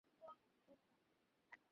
যার পর তারা তার পিপাসার্ত হবেন না।